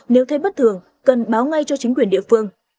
nếu thấy bất thường cần báo ngay cho chính quyền địa phương